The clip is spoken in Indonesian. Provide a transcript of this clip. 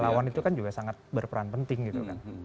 lawan itu kan juga sangat berperan penting gitu kan